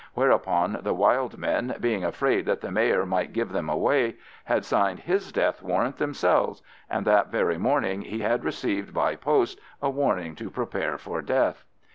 Whereupon the wild men, being afraid that the Mayor might give them away, had signed his death warrant themselves, and that very morning he had received by post a warning to prepare for death.